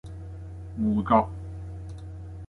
芋角